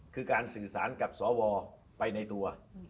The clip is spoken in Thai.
คือการสื่อสารกับสวไปในตัว